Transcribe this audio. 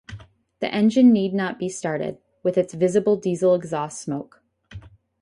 The engine need not be started, with its visible diesel exhaust smoke.